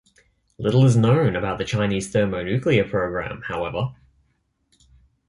Little is known about the Chinese thermonuclear program, however.